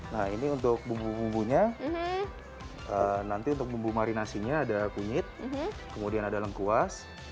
nah ini untuk bumbu bumbunya nanti untuk bumbu marinasinya ada kunyit kemudian ada lengkuas